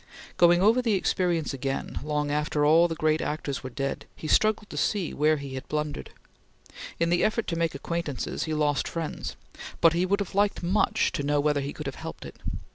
Going over the experience again, long after all the great actors were dead, he struggled to see where he had blundered. In the effort to make acquaintances, he lost friends, but he would have liked much to know whether he could have helped it.